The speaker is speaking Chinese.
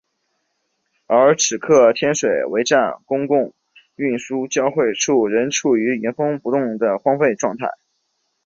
而此刻天水围站公共运输交汇处仍处于原封不动的荒废状态。